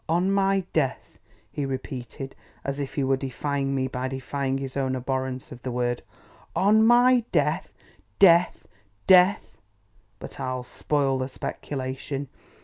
"On my death," he repeated, as if he were defying me by defying his own abhorrence of the word. "On my death—death—Death! But I'll spoil the speculation.